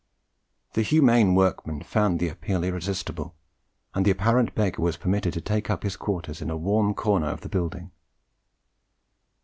The humane workmen found the appeal irresistible, and the apparent beggar was permitted to take up his quarters in a warm corner of the building.